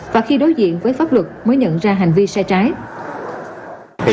và khi đối diện với pháp luật mới nhận ra hành vi sai trái